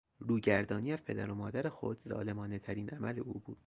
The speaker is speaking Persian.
روگردانی از پدر و مادر خود ظالمانهترین عمل او بود.